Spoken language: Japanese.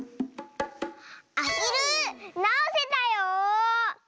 アヒルなおせたよ！